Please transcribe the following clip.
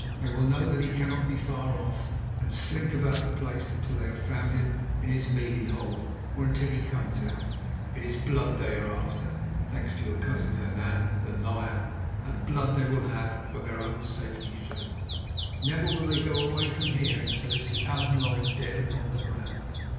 They will know that he cannot be far off, and slink about the place until they have found him in his mealie hole or until he comes out. It is blood they are after, thanks to your cousin Hernan, the liar, and blood they will have for their own safety's sake. Never will they go away from here until they see Allan lying dead upon the ground."